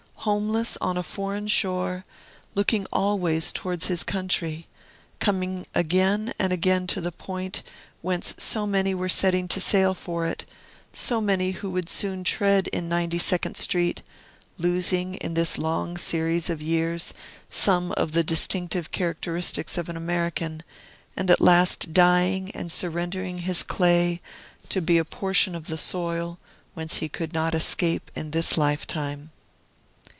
Homeless on a foreign shore, looking always towards his country, coming again and again to the point whence so many were setting sail for it, so many who would soon tread in Ninety second Street, losing, in this long series of years, some of the distinctive characteristics of an American, and at last dying and surrendering his clay to be a portion of the soil whence he could not escape in his lifetime.